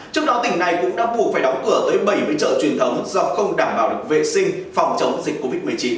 trước đó tỉnh này cũng đã buộc phải đóng cửa tới bảy mươi chợ truyền thống do không đảm bảo được vệ sinh phòng chống dịch covid một mươi chín